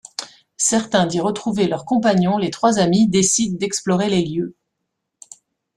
Certains d'y retrouver leurs compagnons, les trois amis décident d'explorer les lieux.